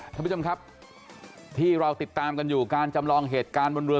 ท่านผู้ชมครับที่เราติดตามกันอยู่การจำลองเหตุการณ์บนเรือ